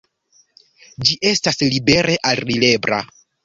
Ĝi estas libere alirebla.